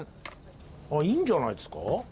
あいいんじゃないですか？